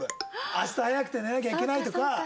「明日早くて寝なきゃいけない」とか。